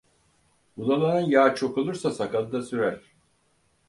Budalanın yağı çok olursa sakalına sürer.